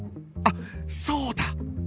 あっそうだ！